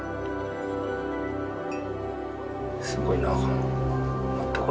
すごいな。